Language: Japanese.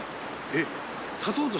えっ？